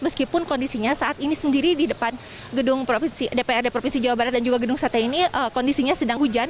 meskipun kondisinya saat ini sendiri di depan gedung dprd provinsi jawa barat dan juga gedung sate ini kondisinya sedang hujan